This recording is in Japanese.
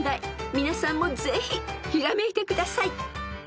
［皆さんもぜひひらめいてください］